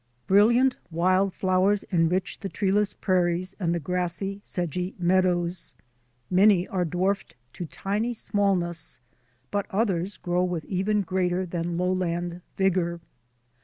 Brilliant wild flowers enrich the treeless prairies and the grassy, sedgy meadows. Many are dwarfed to tiny smallness but others grow with even greater than lowland vigour.